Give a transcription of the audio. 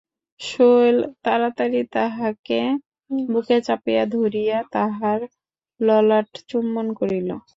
শৈল তাড়াতাড়ি তাহাকে বুকে চাপিয়া ধরিয়া তাহার ললাট চুম্বন করিল।